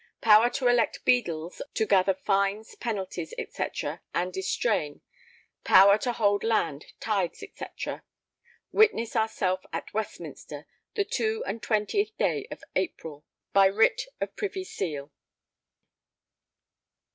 [Power to elect Beadles to gather fines penalties &c. and distrain. Power to hold land, tithes &c.] Witness ourself at Westminster the two and twentieth day of April. By writ of Privy Seal.